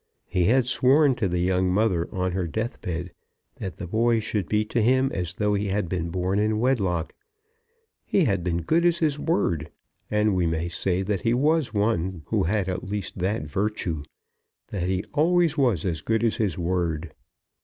He had sworn to the young mother on her death bed that the boy should be to him as though he had been born in wedlock. He had been as good as his word; and we may say that he was one who had at least that virtue, that he was always as good as his word.